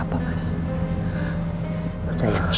petunjuk apa mas